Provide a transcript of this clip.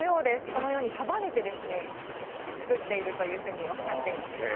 このように束ねて作っているというふうにおっしゃっていました。